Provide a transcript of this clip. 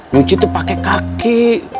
nyuci tuh pakai kaki